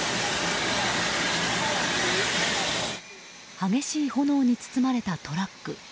激しい炎に包まれたトラック。